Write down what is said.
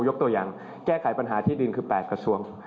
ยกตัวอย่างแก้ไขปัญหาที่ดินคือ๘กระทรวง